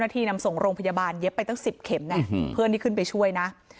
ที่นำส่งโรงพยาบาลเย็บไปตั้ง๑๐เข็มไงเพื่อนที่ขึ้นไปช่วยนะ